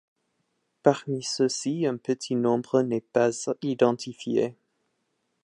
Parmi ceux-ci, un petit nombre n'est pas identifié.